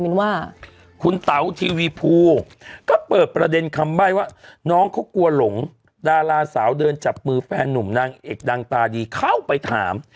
เป็นว่าคุณเต๋าทีวีภูก็เปิดประเด็นคำใบ้ว่าน้องเขากลัวหลงดาราสาวเดินจับมือแฟนนุ่มนางเอกดังตาดีเข้าไปถาม